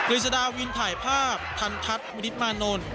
ริจดาวินถ่ายภาพทันทัศน์วิธิมานนท์